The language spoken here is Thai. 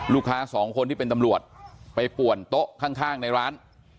ลูกค้าสองคนที่เป็นตำรวจไปป่วนโต๊ะข้างในร้าน